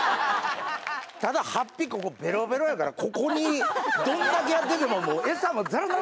ただ法被ここベロベロやからここにどんだけやってても餌もザラザラ！